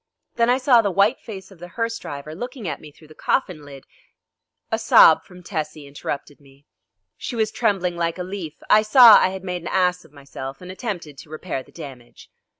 Then I saw the white face of the hearse driver looking at me through the coffin lid " A sob from Tessie interrupted me. She was trembling like a leaf. I saw I had made an ass of myself and attempted to repair the damage.